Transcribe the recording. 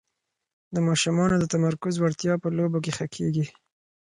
د ماشومانو د تمرکز وړتیا په لوبو کې ښه کېږي.